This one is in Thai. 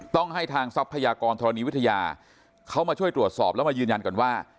ต้องให้ทางทรัพยากรธรณีวิทยาเขามาช่วยตรวจสอบแล้วมายืนยันก่อนว่า